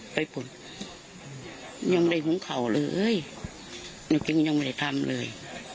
แบบนี้ยังไม่ได้ทำเลย